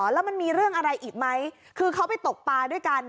แล้วมันมีเรื่องอะไรอีกไหมคือเขาไปตกปลาด้วยกัน